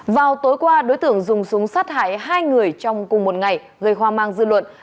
vào tối qua đối tượng dùng súng sát hại hai người trong cùng một ngày gây hoang mang dư luận